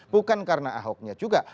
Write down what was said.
bukan karena ahoknya juga